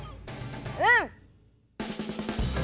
うん！